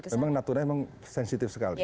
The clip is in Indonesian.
nah kalau memang natuna memang sensitif sekali